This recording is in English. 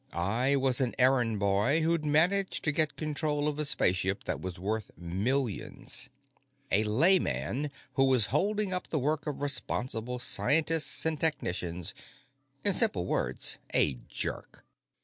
I was an errand boy who'd managed to get control of a spaceship that was worth millions, a layman who was holding up the work of responsible scientists and technicians. In simple words, a jerk.